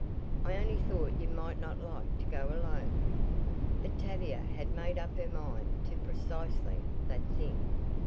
"I only thought you might not like to go alone." But Tavia had made up her mind to precisely that thing.